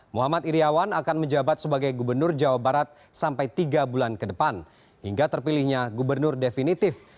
muhammad iryawan akan menjabat sebagai gubernur jawa barat sampai tiga bulan ke depan hingga terpilihnya gubernur definitif